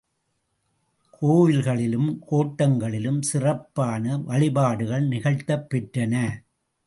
கோவில்களிலும் கோட்டங்களிலும் சிறப்பான வழிபாடுகள் நிகழ்த்தப் பெற்றன.